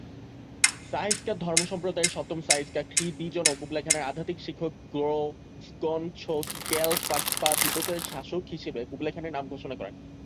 সা-স্ক্যা ধর্মসম্প্রদায়ের সপ্তম সা-স্ক্যা-খ্রি-'দ্জিন ও কুবলাই খানের আধ্যাত্মিক শিক্ষক 'গ্রো-ম্গোন-ছোস-র্গ্যাল-'ফাগ্স-পা তিব্বতের শাসক হিসেবে কুবলাই খানের নাম ঘোষণা করেন।